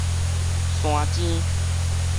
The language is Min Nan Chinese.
山精